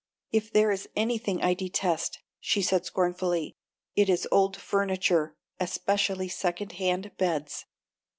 "If there is anything I detest," said she, scornfully, "it is old furniture, especially second hand beds.